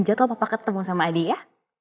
jot kalau papa ketemu sama adi ya